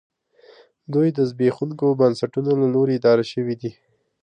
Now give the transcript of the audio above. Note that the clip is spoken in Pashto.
دوی د زبېښونکو بنسټونو له لوري اداره شوې دي